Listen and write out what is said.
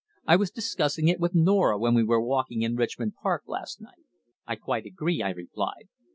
I was discussing it with Norah when we were walking in Richmond Park last night." "I quite agree," I replied.